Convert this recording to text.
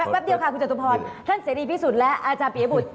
แป๊บเดียวค่ะคุณจตุพรท่านเสรีพิสุทธิ์และอาจารย์ปียบุตร